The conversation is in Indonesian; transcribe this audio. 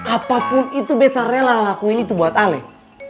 apapun itu betta rela lakukan itu untuk om